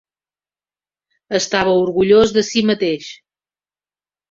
Estava orgullós de si mateix.